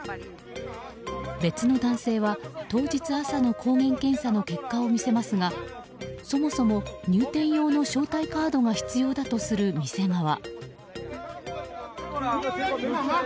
別の男性は当日朝の抗原検査の結果を見せますがそもそも入店用の招待カードが必要だとする店側。